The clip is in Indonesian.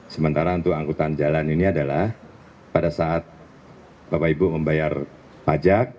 sementara untuk angkutan jalan ini adalah pada saat bapak ibu membayar pajak